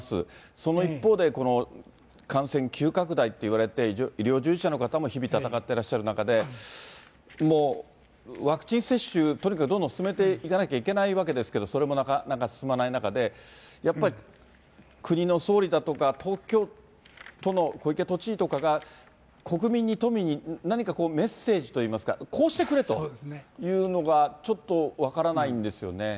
その一方で、この感染急拡大っていわれて、医療従事者の方も日々闘ってらっしゃる中で、もうワクチン接種、とにかくどんどん進めていかなきゃいけないわけですけれども、それもなかなか進まない中で、やっぱり国の総理だとか、東京都の小池都知事とかが、国民に、都民に何かメッセージといいますか、こうしてくれというのが、ちょっと分からないんですよね。